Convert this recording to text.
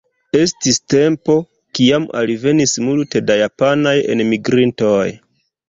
Estis tempo, kiam alvenis multe da japanaj enmigrintoj.